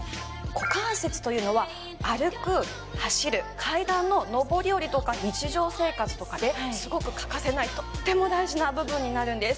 股関節というのは歩く走る階段の上り下りとか日常生活とかですごく欠かせないとっても大事な部分になるんです